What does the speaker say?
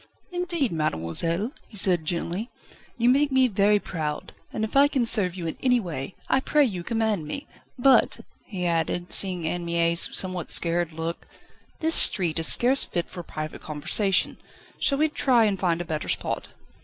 "Indeed, mademoiselle," he said gently, "you make me very proud; and I can serve you in any way, I pray you command me. But," he added, seeing Anne Mie's somewhat scared look, "this street is scarce fit for private conversation. Shall we try and find a better spot?"